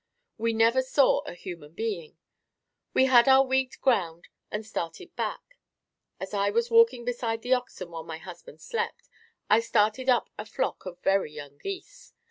We never saw a human being. We had our wheat ground and started back. As I was walking beside the oxen while my husband slept, I started up a flock of very young geese.